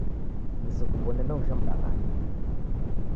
Nisekuw'one na uja mdaw'ana